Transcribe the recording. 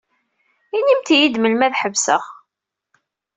Inimt-yi-d melmi ad ḥebseɣ.